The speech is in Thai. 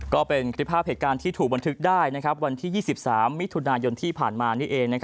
ก็เป็นคลิปภาพเหตุการณ์ที่ถูกบันทึกได้วันที่๒๓มิถุนายนที่ผ่านมานี่เอง